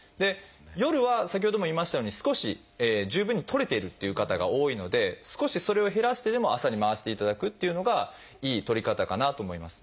夜は先ほども言いましたように少し十分にとれているっていう方が多いので少しそれを減らしてでも朝に回していただくっていうのがいいとり方かなと思います。